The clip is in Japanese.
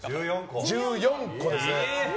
１４個ですね。